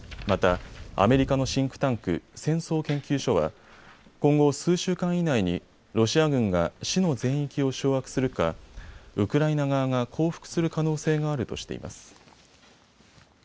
またアメリカのシンクタンク、戦争研究所は今後、数週間以内にロシア軍が市の全域を掌握するかウクライナ側が降伏する可能性があるとしています。